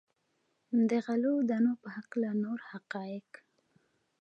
د غلو دانو په هکله نور حقایق.